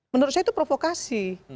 menurut saya itu provokasi